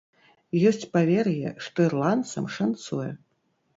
Ёсць павер'е, што ірландцам шанцуе.